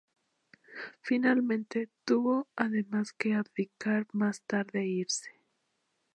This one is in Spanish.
Finalmente tuvo además que abdicar más tarde e irse.